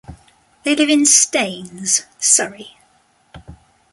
They live in Staines, Surrey.